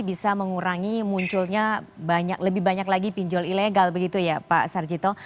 bisa mengurangi munculnya lebih banyak lagi pinjol ilegal begitu ya pak sarjito